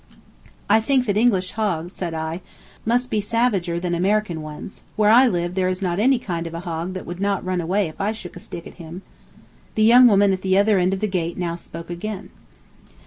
"I think that English hogs," said I, "must be savager than American ones. Where I live there is not any kind of a hog that would not run away if I shook a stick at him." The young woman at the other end of the gate now spoke again.